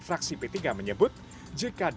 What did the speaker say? fraksi p tiga menyebut jika